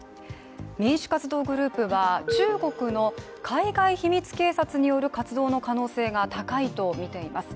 民主活動グループは、中国の海外秘密警察による活動の可能性が高いとみています。